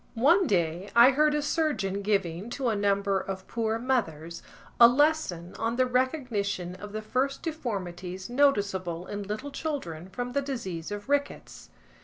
One day, I heard a surgeon giving, to a number of poor mothers, a lesson on the recognition of the first deformities noticeable in little children from the disease of rickets.